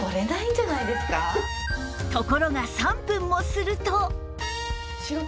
ところが３分もすると